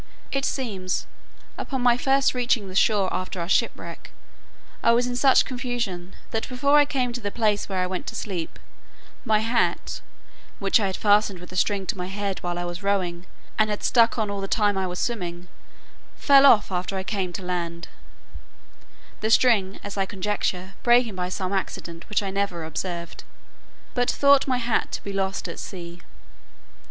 It seems, upon my first reaching the shore after our shipwreck, I was in such confusion, that before I came to the place where I went to sleep, my hat, which I had fastened with a string to my head while I was rowing, and had stuck on all the time I was swimming, fell off after I came to land; the string, as I conjecture, breaking by some accident, which I never observed, but thought my hat had been lost at sea.